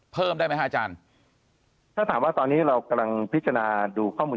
เพิ่มได้ไหมฮะอาจารย์ถ้าถามว่าตอนนี้เรากำลังพิจารณาดูข้อมูล